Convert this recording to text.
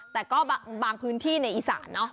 แต่ก็บางพื้นที่ในอีสานเนอะ